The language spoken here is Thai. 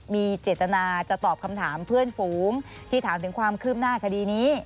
มีเจตนาจะตอบคำถามเพื่อนฝูงที่ถามถึงความคืบหน้าคดีนี้